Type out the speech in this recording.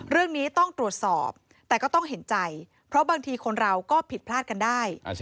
เรื่องนี้ต้องตรวจสอบแต่ก็ต้องเห็นใจเพราะบางทีคนเราก็ผิดพลาดกันได้